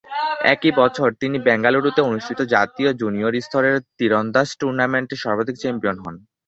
একই বছর, তিনি বেঙ্গালুরুতে অনুষ্ঠিত জাতীয় জুনিয়র স্তরের তীরন্দাজ টুর্নামেন্টে সার্বিক চ্যাম্পিয়ন হন।